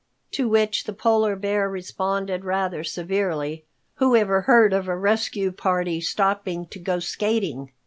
To which the Polar Bear responded rather severely, "Whoever heard of a rescue party stopping to go skating?"